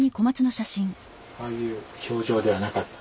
ああいう表情ではなかった？